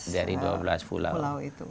dari dua belas pulau